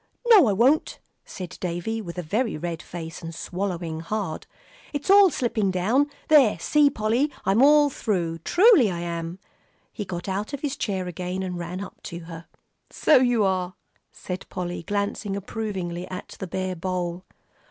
"No, I won't," said Davie, with a very red face, and swallowing hard, "it's all slipping down. There, see, Polly. I'm all through; truly I am." He got out of his chair again, and ran up to her. "So you are," said Polly, glancing approvingly at the bare bowl.